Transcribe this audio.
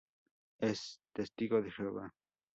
Es Testigo de Jehová.